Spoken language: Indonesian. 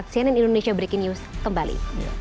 cnn indonesia breaking news kembali